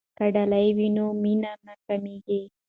که ډالۍ وي نو مینه نه کمېږي.